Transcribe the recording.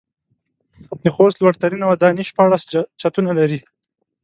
د خوست لوړ ترينه وداني شپاړس چتونه لري.